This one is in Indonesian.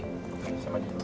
saya maju dulu